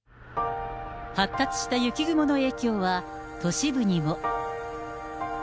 発達した雪雲の影響は、都市部にも。